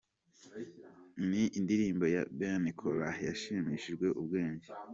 Ni indirimbo ya bene Kōra yahimbishijwe ubwenge.